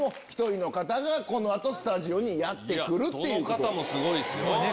どの方もすごいですよ。